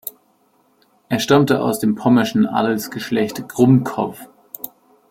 Er stammte aus dem pommerschen Adelsgeschlecht Grumbkow.